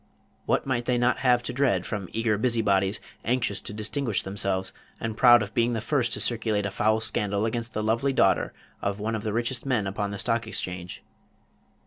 What might they not have to dread from eager busybodies, anxious to distinguish themselves, and proud of being the first to circulate a foul scandal against the lovely daughter of one of the richest men upon the Stock Exchange?